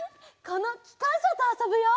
このきかんしゃとあそぶよ。